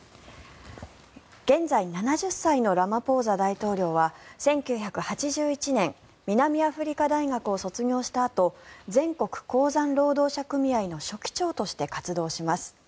現在７０歳のラマポーザ大統領は１９８１年南アフリカ大学を卒業したあと全国鉱山労働者組合の書記長として活動します。